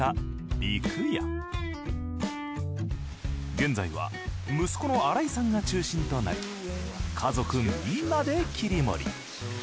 現在は息子の新井さんが中心となり家族みんなで切り盛り。